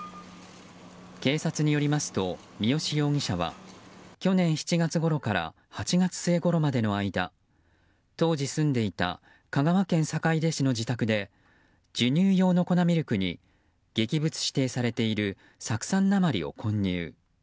警察によりますと三好容疑者は去年７月ごろから８月末ごろまでの間当時住んでいた香川県坂出市の自宅で授乳用の粉ミルクに劇物指定されている酢酸鉛を混入。